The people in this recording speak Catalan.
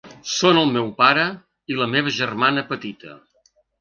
Són el meu pare i la meva germana petita.